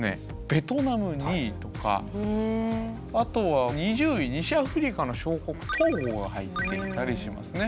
ベトナム２位とかあとは２０位西アフリカの小国トーゴが入っていたりしますね。